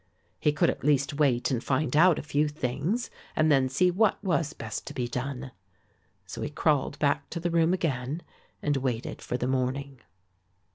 He could at least wait and find out a few things and then see what was best to be done. So he crawled back to the room again and waited for the morning.